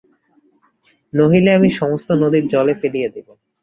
নহিলে আমি সমস্ত নদীর জলে ফেলিয়া দিব।